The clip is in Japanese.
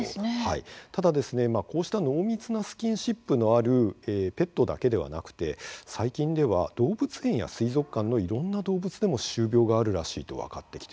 ただですね、こうした濃密なスキンシップのあるペットだけではなくて最近では動物園や水族館のいろんな動物でも歯周病があるらしいと分かってきているんですよね。